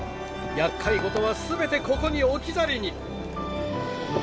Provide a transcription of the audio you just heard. やっかいごとは全てここに置き去りに。